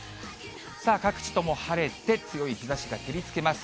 各地とも晴れて、強い日ざしが照りつけます。